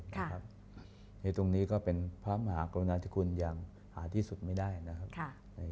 เพียงตรงนี้ก็ผ้ามาหากลุงอาทิกุลยังหาที่สุดไม่ได้นะครับ